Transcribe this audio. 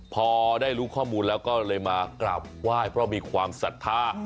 พอได้รู้ข้อมูลแล้วก็เลยมากราบไหว้เพราะมีความศรัทธา